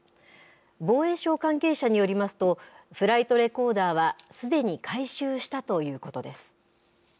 防衛省関係者によりますと、フライトレコーダーはすでに回収したということです。